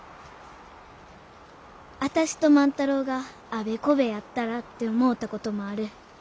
あたしと万太郎があべこべやったらって思うたこともある。